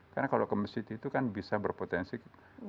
karena kalau ke masjid itu kan bisa berpotensi memperoleh penyakit